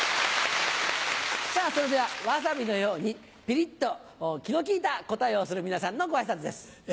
さぁそれではわさびのようにピリっと気の利いた答えをする皆さんのご挨拶です。